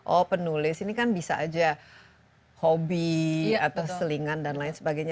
oh penulis ini kan bisa aja hobi atau selingan dan lain sebagainya